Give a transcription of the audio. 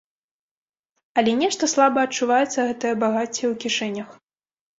Але нешта слаба адчуваецца гэтае багацце ў кішэнях.